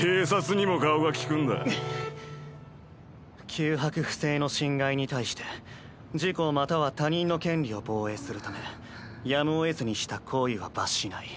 急迫不正の侵害に対して自己または他人の権利を防衛するためやむをえずにした行為は罰しない。